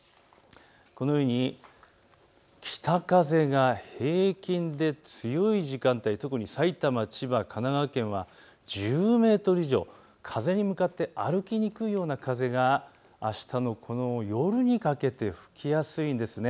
このように北風が平均で強い時間帯、特に埼玉、千葉、神奈川県は１０メートル以上、風に向かって歩きにくいような風があしたの夜にかけて吹きやすいんです。